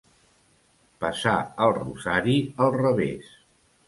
Passar el rosari al revés.